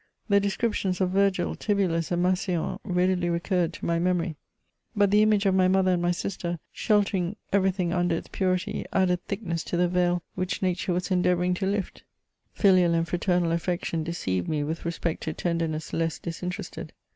The descriptions of Virgil, TibuUus and Massillon readily recurred to my memory ; but the image of my mother and my sister, sheltering everything under its purity, added thickness to the veil which nature was endea vouring to lift : filial and fraternal affection deceived me with respect to tenderness less disinterested.